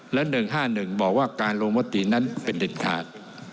และ๑๕๑บอกว่าการลงมตินั้นเป็นเด็ดขาด